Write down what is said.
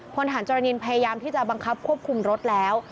พลฐานจรินพยายามที่จะบังคับควบคุมรถแล้ว